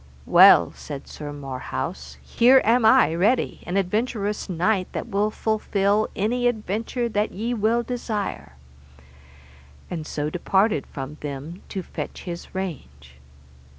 Well, said Sir Marhaus, here am I ready, an adventurous knight that will fulfil any adventure that ye will desire; and so departed from them, to fetch his range.